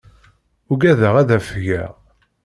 Ugadeɣ ad afgeɣ.